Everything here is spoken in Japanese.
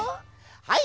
はい。